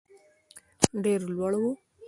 ډېر لوړ وو.